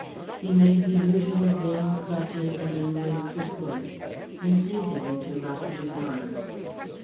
He made the usual vain clutches at unreal supports, and fainted into Rossiter's arms.